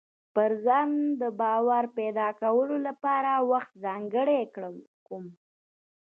پر ځان د باور پيدا کولو لپاره وخت ځانګړی کوم.